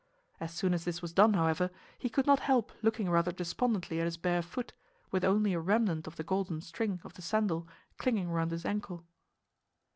As soon as this was done, however, he could not help looking rather despondently at his bare foot, with only a remnant of the golden string of the sandal clinging round his ankle.